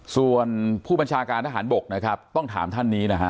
ส่วนผู้บัญชาการทหารบกนะครับต้องถามท่านนี้นะฮะ